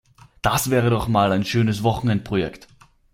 Das wäre doch mal ein schönes Wochenendprojekt!